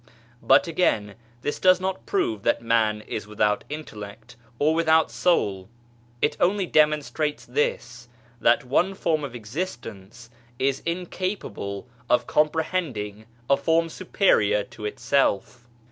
But, again, this does not prove that man is without intellect, or without soul. It only demonstrates this, that one form of existence is incapable of comprehending a form superior to itself.